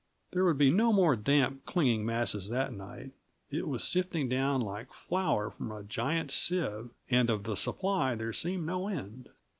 There would be no more damp, clinging masses that night; it was sifting down like flour from a giant sieve; and of the supply there seemed no end.